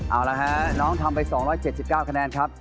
เอาละฮะน้องทำไป๒๗๙คะแนนครับ